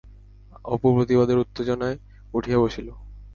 অপু প্রতিবাদের উত্তেজনায় উঠিয়া বসিল।